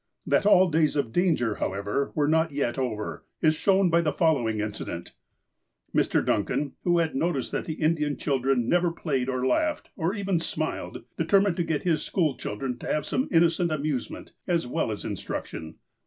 That all days of danger, however, were not yet over, is shown by the following incident : Mr. Duncan, who had noticed that the Indian children never played or laughed or even smiled, determined to get his school children to have some innocent amusement, as well as instruction.